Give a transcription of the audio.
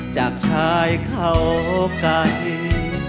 จากชายเข้าใกล้